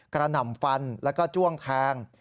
หน่ำฟันแล้วก็จ้วงแทง